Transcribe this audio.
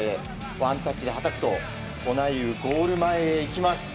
ワンタッチではたくとオナイウ、ゴール前へいきます。